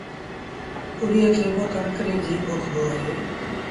تُوريئي کي با ڪڻڪ ري جيٚن پوکبو اهي